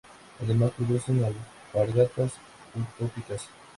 Además producen "alpargatas utópicas".